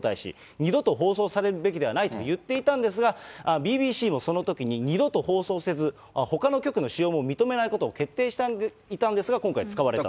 二度と放送されるべきではないと言っていたんですが、ＢＢＣもそのときに、二度と放送せず、ほかの局の使用も認めないことを決定していたんですが、今回使われたと。